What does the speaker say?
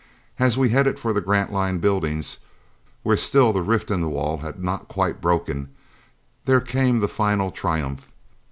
As we headed for the Grantline buildings, where still the rift in the wall had not quite broken, there came the final triumph.